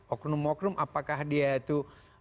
oknum oknum apakah dia itu